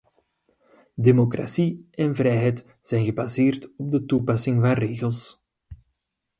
Democratie en vrijheid zijn gebaseerd op de toepassing van regels.